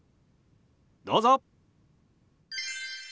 どうぞ！